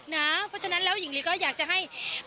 เพราะฉะนั้นแล้วหญิงลีก็อยากจะให้